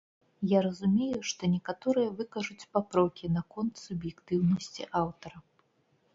Я разумею, што некаторыя выкажуць папрокі наконт суб'ектыўнасці аўтара.